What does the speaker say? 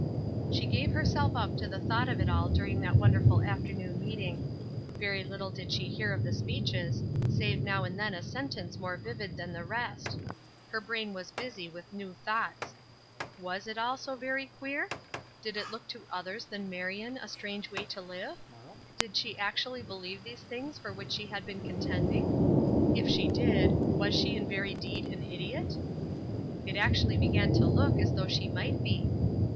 She gave herself up to the thought of it all during that wonderful afternoon meeting. Very little did she hear of the speeches, save now and then a sentence more vivid than the rest; her brain was busy with new thoughts. Was it all so very queer? Did it look to others than Marion a strange way to live? Did she actually believe these things for which she had been contending? If she did, was she in very deed an idiot? It actually began to look as though she might be.